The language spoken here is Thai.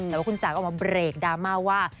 แต่ว่าคุณจ๋าออกมาเบรกดราม่าว่า